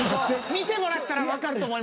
見てもらったら分かると。